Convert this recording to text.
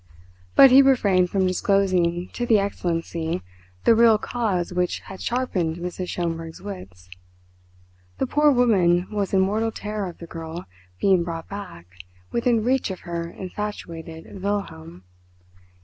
But he refrained from disclosing to the Excellency the real cause which had sharpened Mrs. Schomberg's wits. The poor woman was in mortal terror of the girl being brought back within reach of her infatuated Wilhelm.